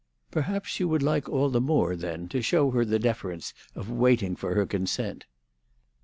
"Perhaps you would like all the more, then, to show her the deference of waiting for her consent."